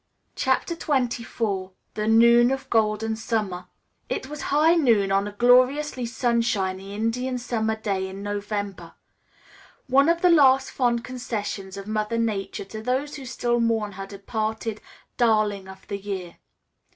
CHAPTER XXIV THE NOON OF GOLDEN SUMMER It was high noon on a gloriously sunshiny Indian summer day in November; one of the last fond concessions of Mother Nature to those who still mourn her departed "darling of the year."